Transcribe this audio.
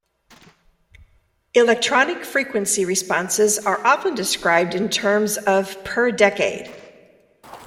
Electronic frequency responses are often described in terms of "per decade".